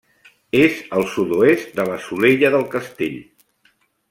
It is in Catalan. És al sud-oest de la Solella del Castell.